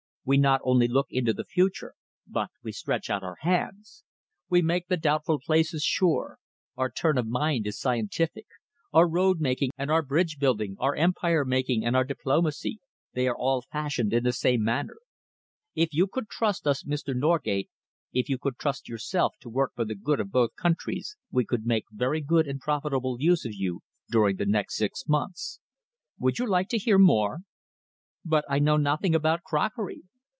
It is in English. We not only look into the future, but we stretch out our hands. We make the doubtful places sure. Our turn of mind is scientific. Our road making and our bridge building, our empire making and our diplomacy, they are all fashioned in the same manner. If you could trust us, Mr. Norgate, if you could trust yourself to work for the good of both countries, we could make very good and profitable use of you during the next six months. Would you like to hear more?" "But I know nothing about crockery!"